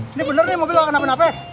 ini bener nih mobil gak kena apa apa